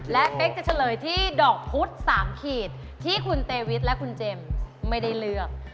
และเป๊กจะเฉลยที่ดอกพุธ๓ขีดที่คุณเตวิทและคุณเจมส์ไม่ได้เลือก